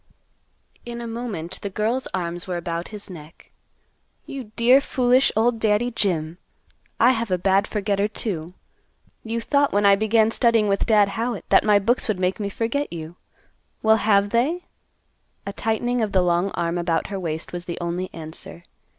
In a moment the girl's arms were about his neck, "You dear foolish old Daddy Jim. I have a bad forgetter, too. You thought when I began studying with Dad Howitt that my books would make me forget you. Well, have they?" A tightening of the long arm about her waist was the only answer.